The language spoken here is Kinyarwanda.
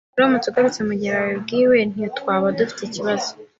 Uramutse ugarutse mugihe babwiwe, ntitwaba dufite ikibazo